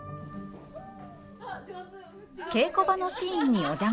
稽古場のシーンにお邪魔してみると。